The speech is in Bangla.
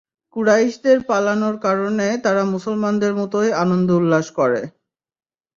কুরাইশদের পালানোর কারণে তারা মুসলমানদের মতই আনন্দ-উল্লাস করে।